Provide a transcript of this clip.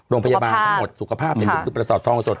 โรงพยาบาลทั้งหมดสุขภาพเป็นอย่างที่ประสาทธาโอโสต